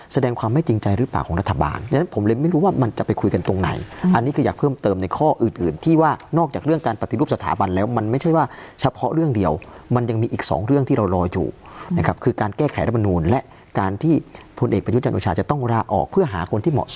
แสดงความไม่จริงใจหรือเปล่าของรัฐบาลดังนั้นผมเลยไม่รู้ว่ามันจะไปคุยกันตรงไหนอันนี้คืออยากเพิ่มเติมในข้ออื่นอื่นที่ว่านอกจากเรื่องการปฏิรูปสถาบันแล้วมันไม่ใช่ว่าเฉพาะเรื่องเดียวมันยังมีอีกสองเรื่องที่เรารออยู่นะครับคือการแก้ไขรัฐมนูลและการที่พลเอกประยุทธ์จันทร์โอชาจะต้องลาออกเพื่อหาคนที่เหมาะ